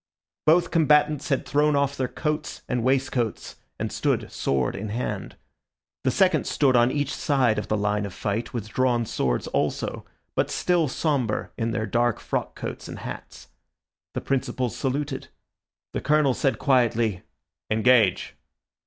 Both combatants had thrown off their coats and waistcoats, and stood sword in hand. The seconds stood on each side of the line of fight with drawn swords also, but still sombre in their dark frock coats and hats. The principals saluted. The Colonel said quietly, "Engage!"